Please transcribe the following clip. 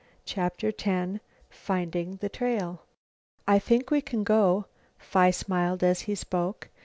CHAPTER X FINDING THE TRAIL "I think we can go." Phi smiled as he spoke.